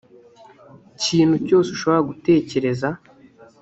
kintu cyose ushobora gutekereza